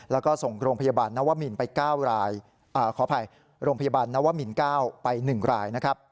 แล้วก็ส่งโรงพยาบาลนวมินไป๑ราย